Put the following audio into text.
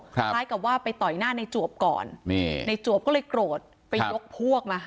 คล้ายกับว่าไปต่อยหน้าในจวบก่อนนี่ในจวบก็เลยโกรธไปยกพวกมา